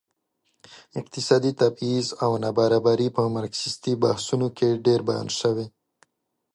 اقتصادي تبعيض او نابرابري په مارکسيستي بحثونو کې ډېر بیان شوي.